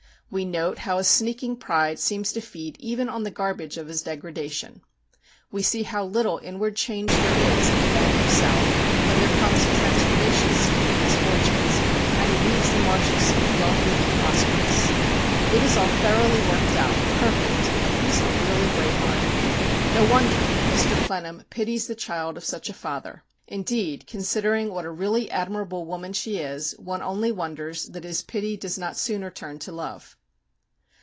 We note how his sneaking pride seems to feed even on the garbage of his degradation. We see how little inward change there is in the man himself when there comes a transformation scene in his fortunes, and he leaves the Marshalsea wealthy and prosperous. It is all thoroughly worked out, perfect, a piece of really great art. No wonder that Mr. Clennam pities the child of such a father; indeed, considering what a really admirable woman she is, one only wonders that his pity does not sooner turn to love.